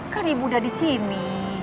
kan ibu udah disini